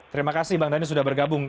terima kasih bang dhani sudah bergabung